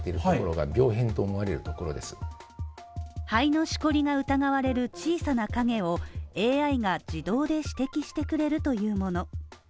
肺のしこりが疑われる小さな影をＡＩが自動で指摘してくれるというもの。